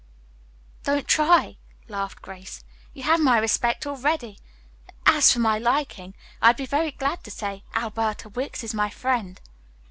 "Don't try," laughed Grace. "You have my respect already, as for my liking, I'd be very glad to say 'Alberta Wicks is my friend.'"